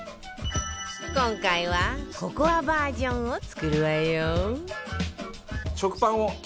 今回はココアバージョンを作るわよ